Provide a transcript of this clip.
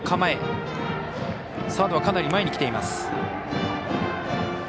サードはかなり前に来ています。